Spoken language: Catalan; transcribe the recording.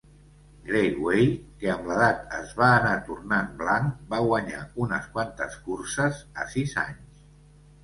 Grey Way, que amb l'edat es va anar tornant blanc, va guanyar unes quantes curses a sis anys.